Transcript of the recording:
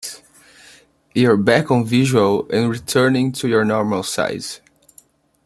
You are back on visual, and returning to your normal size.